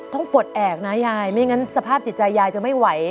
ปลดแอบนะยายไม่งั้นสภาพจิตใจยายจะไม่ไหว